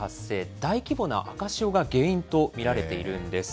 大規模な赤潮が原因と見られているんです。